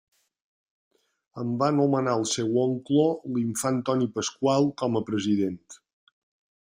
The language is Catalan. En va nomenar el seu oncle l'infant Antoni Pasqual com a president.